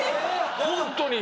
ホントに！